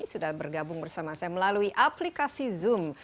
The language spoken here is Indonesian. sudah bergabung bersama saya melalui aplikasi zoom